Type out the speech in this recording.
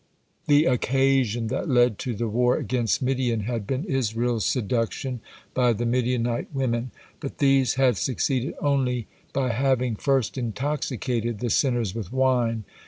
The occasion that led to the war against Midian had been Israel's seduction by the Midianite women, but these had succeeded only by having first intoxicated the sinners with wine.